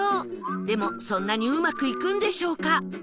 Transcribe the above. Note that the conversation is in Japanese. でもそんなにうまくいくんでしょうか？